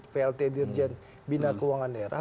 plt dirjen bina keuangan daerah